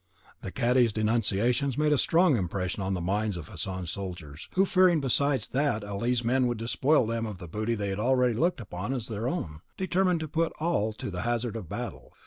The cadi's denunciations made a strong impression on the minds of Hassan's soldiers, who, fearing besides that Ali's men would despoil them of the booty they already looked upon as their own, determined to put all to the hazard of battle.